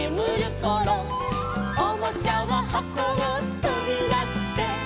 「おもちゃははこをとびだして」